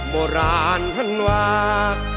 โบราณท่านว่า